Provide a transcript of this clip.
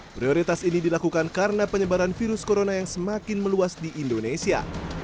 prioritas ini dilakukan karena penyebaran virus corona yang semakin meluas di indonesia